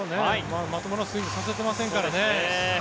まともなスイングさせてませんからね。